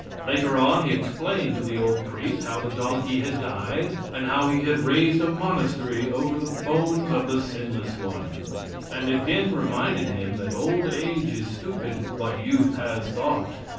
Later on he explained to the old priest how the donkey had died, and how he had raised a monastery over the bones of the sinless one; and again reminded him that old age is stupid, but youth has thought.